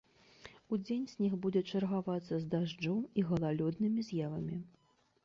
Удзень снег будзе чаргавацца з дажджом і галалёднымі з'явамі.